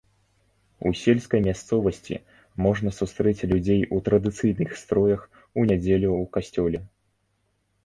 У сельскай мясцовасці можна сустрэць людзей у традыцыйных строях у нядзелю ў касцёле.